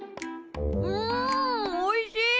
んおいしい！